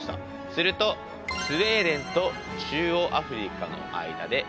するとスウェーデンと中央アフリカの間で移動する期間